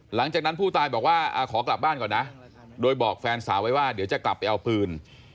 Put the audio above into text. หลังจากนั้นผู้ตายบอกว่าขอกลับบ้านก่อนนะโดยบอกแฟนสาวไว้ว่าเดี๋ยวจะกลับไปเอาปืน